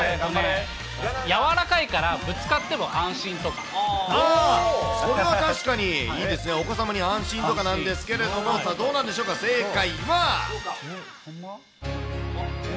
やわらかいからぶつかってもそれは確かにいいですね、お子様に安心とかなんですけれども、さあ、どうなんでしょうか、正解は。